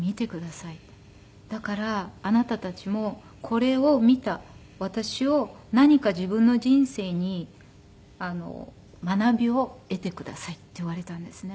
「だからあなたたちもこれを見た私を何か自分の人生に学びを得てください」って言われたんですね。